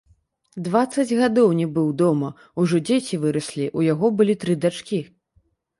Дваццаць гадоў не быў дома, ужо дзеці выраслі, у яго былі тры дачкі.